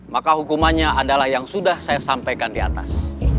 maka hukumannya adalah yang sudah saya sampaikan di atas